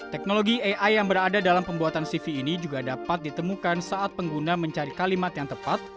teknologi ai yang berada dalam pembuatan cv ini juga dapat ditemukan saat pengguna mencari kalimat yang tepat